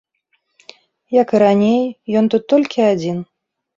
Як і раней, ён тут толькі адзін.